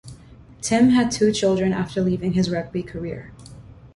Tim had two children after leaving his rugby career.